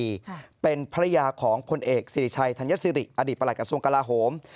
อดิตประหลักกศวงค์กระธีการส่วนกระลาฮม